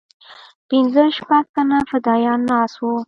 پنځه شپږ تنه فدايان ناست وو.